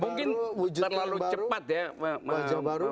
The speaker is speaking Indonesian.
mungkin terlalu cepat ya